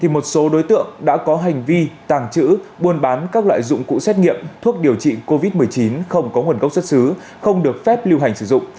một số đối tượng đã có hành vi tàng trữ buôn bán các loại dụng cụ xét nghiệm thuốc điều trị covid một mươi chín không có nguồn gốc xuất xứ không được phép lưu hành sử dụng